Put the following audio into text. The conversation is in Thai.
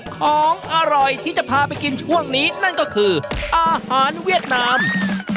ของอร่อยที่จะพาไปกินช่วงนี้นั่นก็คืออาหารเวียดนาม